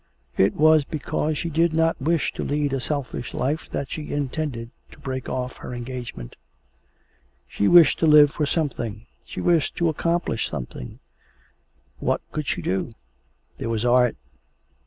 It was because she did not wish to lead a selfish life that she intended to break off her engagement. She wished to live for something; she wished to accomplish something; what could she do? There was art.